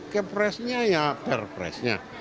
kepresnya ya perpresnya